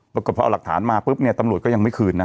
ปรากฏพอเอาหลักฐานมาปุ๊บเนี่ยตำรวจก็ยังไม่คืนนะ